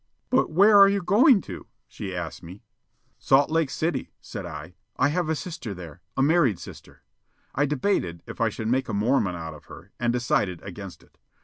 "But where are you going to?" she asked me. "Salt Lake City," said I. "I have a sister there a married sister." (I debated if I should make a Mormon out of her, and decided against it.)